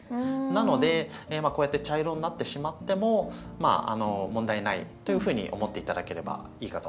なのでこうやって茶色になってしまってもまあ問題ないというふうに思って頂ければいいかと思います。